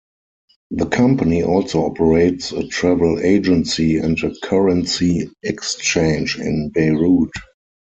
The company also operates a travel agency and a currency exchange in Beirut.